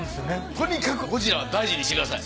とにかくゴジラは大事にしてください。